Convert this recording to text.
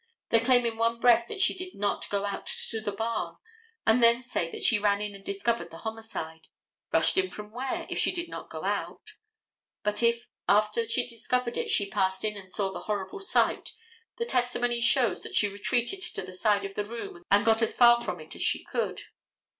They claim in one breath that she did not go to the barn and then say that she ran in and discovered the homicide. Rushed in from where, if she did not go out? But if after she discovered it, she passed in and saw the horrid sight, the testimony shows that she retreated to the side room, and got as far from it as she could.